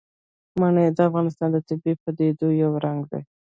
منی د افغانستان د طبیعي پدیدو یو رنګ دی.